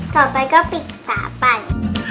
ต่อไปก็ปิดปะปัน